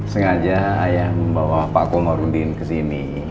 sengaja ayah membawa pak komorudin kesini